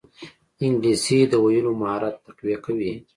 انګلیسي د ویلو مهارت تقویه کوي